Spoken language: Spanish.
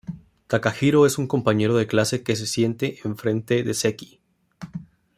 Takahiro es un compañero de clase que se siente en frente de Seki.